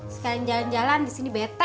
sekalian jalan jalan disini bete